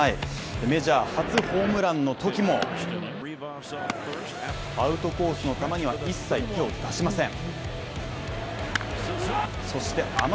メジャー初ホームランのときもアウトコースの球には一切出しません。